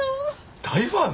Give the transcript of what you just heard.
大ファン？